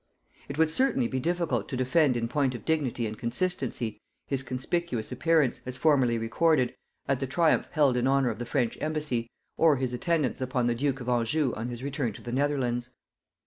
It would certainly be difficult to defend in point of dignity and consistency his conspicuous appearance, as formerly recorded, at the triumph held in honor of the French embassy, or his attendance upon the duke of Anjou on his return to the Netherlands.